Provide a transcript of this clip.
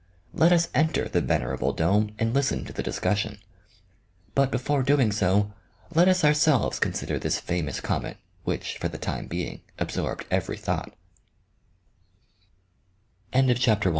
L,et us enter the venerable dome and listen to the discussion. But before doing so, let us ourselves consider this famous comet which for the time being absorbed every thoug